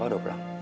papa udah pulang